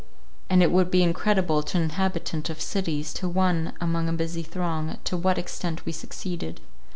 And it would be incredible to an inhabitant of cities, to one among a busy throng, to what extent we succeeded.